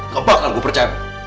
gak bakal gue percaya lo